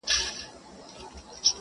o پردى غم، نيم اختر دئ!